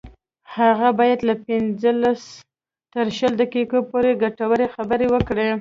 هغه باید له پنځلس تر شلو دقیقو پورې ګټورې خبرې وکړي